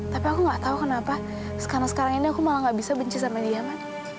tapi aku gak tau kenapa sekarang sekarang ini aku malah gak bisa benci sama dia man